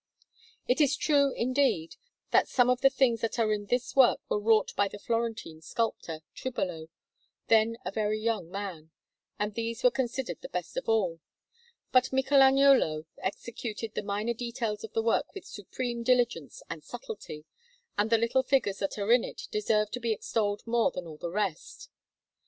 It is true, indeed, that some of the things that are in this work were wrought by the Florentine sculptor, Tribolo, then a very young man, and these were considered the best of all; but Michelagnolo executed the minor details of the work with supreme diligence and subtlety, and the little figures that are in it deserve to be extolled more than all the rest.